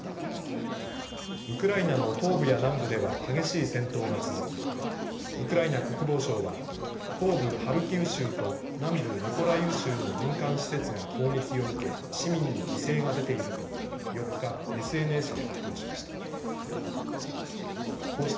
ウクライナの東部や南部では激しい戦闘が続きウクライナ国防省は東部ハルキウ州と南部ミコライウ州の民間施設が攻撃を受け市民に犠牲が出ていると４日、ＳＮＳで発表しました。